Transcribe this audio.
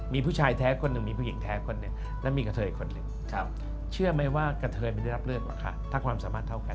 มีผู้ชายแท้คนหนึ่งมีผู้หญิงแท้คนหนึ่งและมีกระเทยอีกคนหนึ่งเชื่อไหมว่ากระเทยไม่ได้รับเลือกหรอกค่ะถ้าความสามารถเท่ากัน